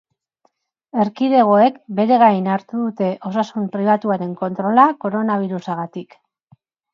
Erkidegoek bere gain hartu dute osasun pribatuaren kontrola koronabirusagatik.